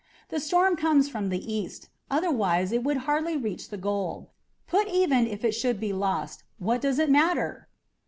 The storm comes from the cast, otherwise it would hardly reach the goal. Put even if it should be lost, what does it matter?"